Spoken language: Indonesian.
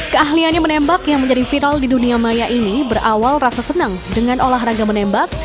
keahliannya menembak yang menjadi viral di dunia maya ini berawal rasa senang dengan olahraga menembak